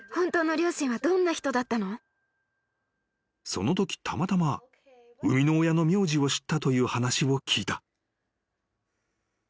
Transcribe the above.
［そのときたまたま生みの親の名字を知ったという話を聞いた］